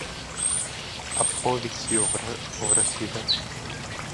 Απόδειξη ο Βρασίδας.